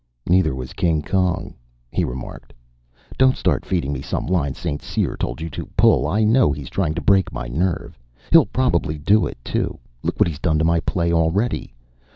"Neither was King Kong," he remarked. "Don't start feeding me some line St. Cyr's told you to pull. I know he's trying to break my nerve. He'll probably do it, too. Look what he's done to my play already.